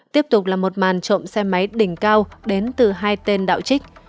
tiếp tục là một màn trộm xe máy đỉnh cao đến từ hai tên đạo trích